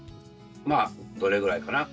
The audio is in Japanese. まあどれぐらいかな？